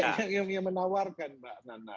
kan ini yang menawarkan mbak nana